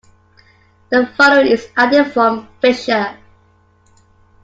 The following is added from Fisher.